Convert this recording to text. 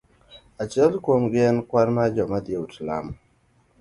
Achiel kuom gi en kwan mar joma dhi e ut lamo.